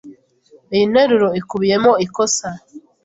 Iyi nteruro ikubiyemo ikosa.